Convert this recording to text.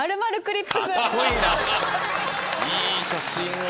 いい写真を。